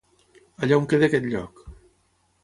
Allà on quedi aquest lloc.